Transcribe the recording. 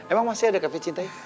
emang masih ada cafe cintanya